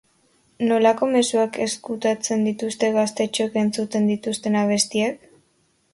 Nolako mezuak ezkutatzen dituzte gaztetxoek entzuten dituzten abestiek?